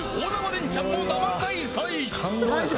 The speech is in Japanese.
レンチャンも生開催！］